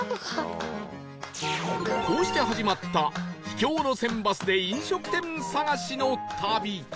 こうして始まった秘境路線バスで飲食店探しの旅